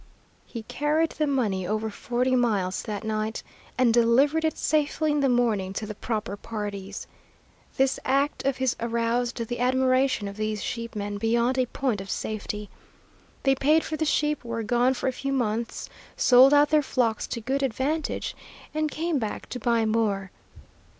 "He carried the money over forty miles that night, and delivered it safely in the morning to the proper parties. This act of his aroused the admiration of these sheep men beyond a point of safety. They paid for the sheep, were gone for a few months, sold out their flocks to good advantage, and came back to buy more.